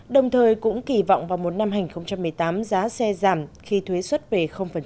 đồng thời cũng kỳ vọng vào một năm hai nghìn một mươi tám giá xe giảm khi thuế xuất về